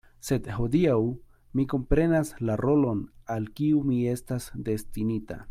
Sed hodiaŭ mi komprenas la rolon, al kiu mi estas destinita.